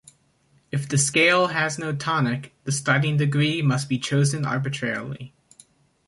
If the scale has no tonic, the starting degree must be chosen arbitrarily.